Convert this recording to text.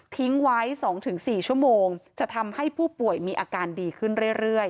ทิ้งไว้๒๔ชั่วโมงจะทำให้ผู้ป่วยมีอาการดีขึ้นเรื่อย